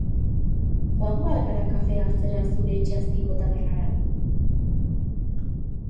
Joango al gara kafea hartzera zure etxe azpiko tabernara?